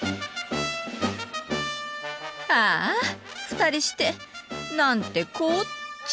ああ２人してなんてこっチャ！